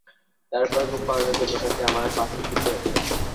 তারপর, ঘুম পাড়ানোর জন্য তাকে আমার পাশে শুতে হতো।